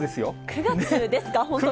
９月ですか、本当に。